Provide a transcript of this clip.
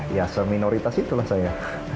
ya seminoritas itulah saya